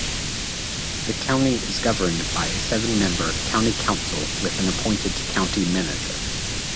The county is governed by a seven-member county council with an appointed county manager.